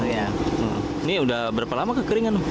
ini udah berapa lama kekeringan bu